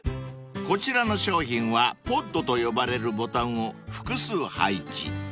［こちらの商品はＰＯＤと呼ばれるボタンを複数配置］